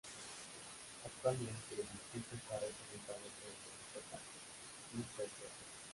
Actualmente el distrito está representado por el Demócrata Bill Foster.